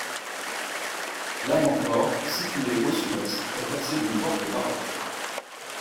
L'avant-corps situé au sud est percé d'une porte baroque.